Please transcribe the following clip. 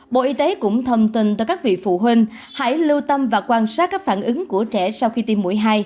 bộ y tế cũng thông tin tới các vị phụ huynh hãy lưu tâm và quan sát các phản ứng của trẻ sau khi tiêm mũi hai